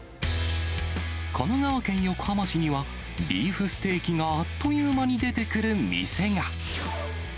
神奈川県横浜市には、ビーフステーキがあっという間に出てくる店が。